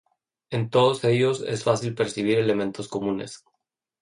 En todos ellos, es fácil percibir elementos comunes.